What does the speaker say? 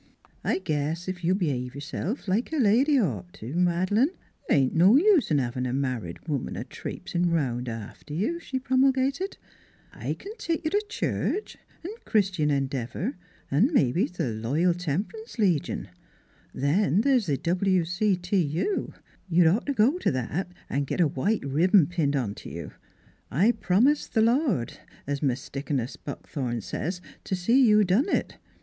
" I guess ef you b'have yourself like a lady'd ought, Mad'lane, th' ain't no use in havin' a mar ried woman a traipsin' 'round after you," she promulgated. " I c'n take you t' church 'n' Chris tian Endeavor 'n' mebbe t' Loyal Tem'rance Legion. Then the's the W. C. T. U. You'd ought t' go t' that an' git a white ribbon pinned onto you. I promised th' Lord es Mis' Dea coness Buckthorn says to see you done it.